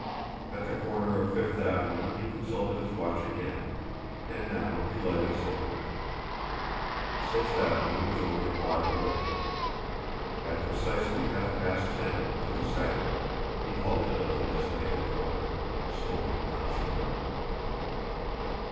At the corner of Fifth Avenue he consulted his watch again and now he lighted a cigarette. Sixth Avenue was only a block away. At precisely half past ten, to the second, he halted on the designated corner, smoking nonchalantly.